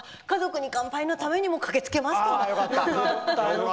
「家族に乾杯」のためにも駆けつけますよ。